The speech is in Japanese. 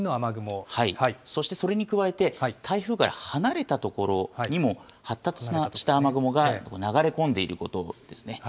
そしてそれに加えて、台風から離れた所にも、発達した雨雲が流れ込んでいることですね。